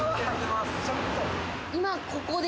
今ここで。